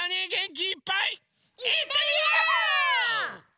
いってみよ！